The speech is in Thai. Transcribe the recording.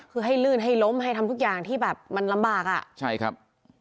คือให้ลื่นให้ล้มให้ทำทุกอย่างที่แบบมันลำบากอ่ะใช่ครับ